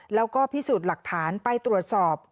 แล้วก็พิสูจน์หลักฐานไปตรวจสอบ